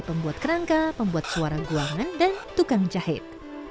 pembuat suara guangan dan tukang jahit